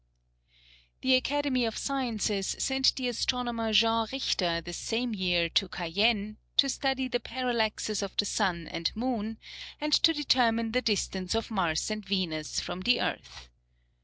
The Academy of Sciences sent the astronomer Jean Richter the same year to Cayenne, to study the parallaxes of the sun and moon, and to determine the distance of Mars and Venus from the earth.